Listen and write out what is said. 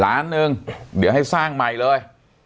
ล้านหนึ่งเดี๋ยวให้สร้างใหม่เลย